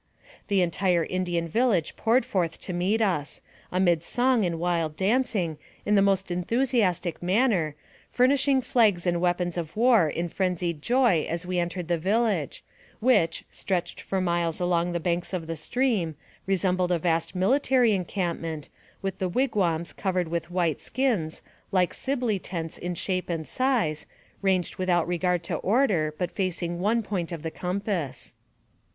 The entire Indian village poured forth to meet us, amid song and wild dancing, in the most enthusiastic manner, flourishing flags and weapons of war in fren zied joy "as we entered the village, which, stretched for miles along the banks of the stream, resembled a vast 82 NARRATIVE OF CAPTIVITY military encampment, with the wigwams covered with white skins, like Sibley tents in shape and size, ranged without regard to order, but facing one point of the compass.